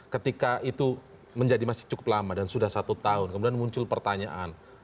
ketika itu menjadi masih cukup lama dan sudah satu tahun kemudian muncul pertanyaan